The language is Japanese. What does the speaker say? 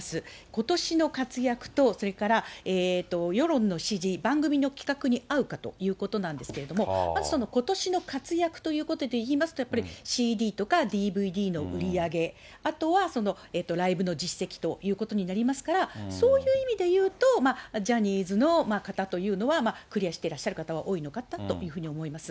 ことしの活躍とそれから世論の支持、番組の企画に合うかということなんですけれども、まずそのことしの活躍ということで言いますと、やっぱりＣＤとかＤＶＤの売り上げ、あとは、ライブの実績ということになりますから、そういう意味でいうと、ジャニーズの方というのは、クリアしてらっしゃる方は多いのかなというふうに思います。